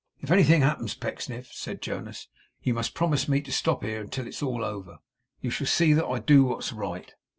'If anything happens Pecksniff,' said Jonas, 'you must promise me to stop here till it's all over. You shall see that I do what's right.